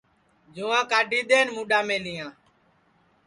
جُوںٚئا کاڈھی دؔئن مُڈؔا مِلیاں